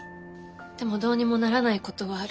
でもどうにもならないことはある。